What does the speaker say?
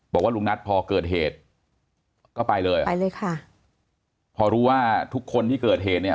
บอกว่าลุงนัทพอเกิดเหตุก็ไปเลยไปเลยค่ะพอรู้ว่าทุกคนที่เกิดเหตุเนี่ย